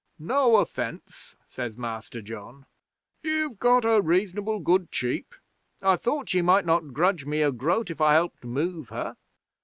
'"No offence," says Master John. "You've got her reasonable good cheap. I thought ye might not grudge me a groat if I helped move her."